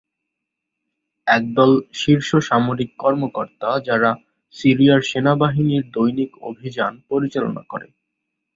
একদল শীর্ষ সামরিক কর্মকর্তা যারা সিরিয়ার সেনাবাহিনীর দৈনিক অভিযান পরিচালনা করে।